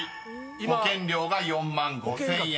［「保険料」が４万５，０００円］